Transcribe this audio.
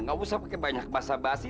gak usah pakai banyak basa basi